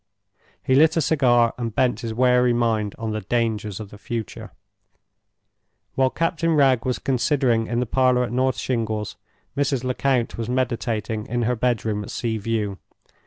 He lit a cigar, and bent his wary mind on the dangers of the future. While Captain Wragge was considering in the parlor at North Shingles, Mrs. Lecount was meditating in her bedroom at Sea View.